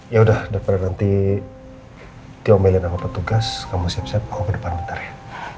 ya udah daripada nanti diomelin sama petugas kamu siap siap mau ke depan bentar ya